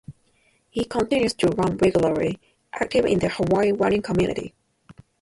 He continues to run regularly, active in the Hawaii running community.